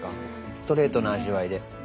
ストレートの味わいで。